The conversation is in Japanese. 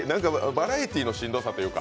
バラエティーのしんどさというか。